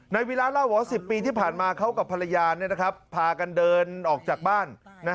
ในเวลาล่ะหวะ๑๐ปีที่ผ่านมาเขากับภรรยาพากันเดินออกจากบ้าน